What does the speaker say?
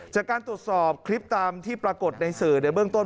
จากการตรวจสอบคลิปตามที่ปรากฏในสื่อในเบื้องต้น